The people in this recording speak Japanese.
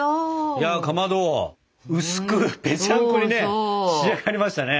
いやかまど薄くぺちゃんこにね仕上がりましたね。